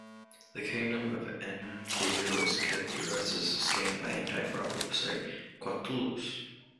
The Kingdom of EnenKio is characterized as a scam by anti-fraud website Quatloos!